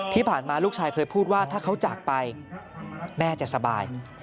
ที่ผ่านมาลูกชายเคยพูดว่าถ้าเขาจากไปแม่จะสบาย